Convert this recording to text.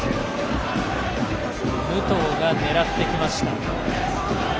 武藤が狙ってきました。